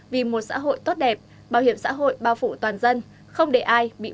vì một xã hội tốt đẹp bảo hiểm xã hội bao phủ toàn dân không để ai bị bỏ lại phía sau